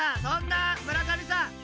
そんな村上さん